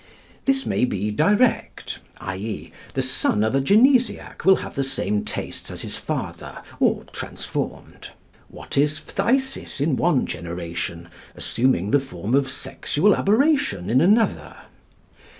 This may be direct, i.e., the son of a genesiac will have the same tastes as his father, or transformed; what is phthisis in one generation assuming the form of sexual aberration in another.